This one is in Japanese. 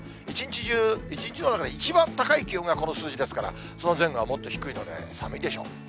一日中、一日の中で、一番高い気温がこの数字ですから、その前後はもっと低いので、寒いでしょう。